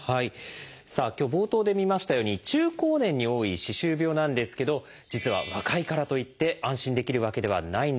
さあ今日冒頭で見ましたように中高年に多い歯周病なんですけど実は若いからといって安心できるわけではないんです。